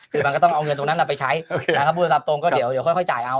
คือมันก็ต้องเอาเงินตรงนั้นไปใช้นะครับพูดตามตรงก็เดี๋ยวค่อยจ่ายเอา